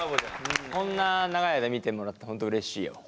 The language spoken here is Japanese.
こんな長い間見てもらって本当うれしいよ。